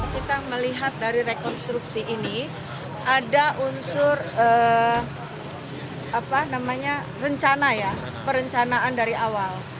kita melihat dari rekonstruksi ini ada unsur apa namanya rencana ya perencanaan dari awal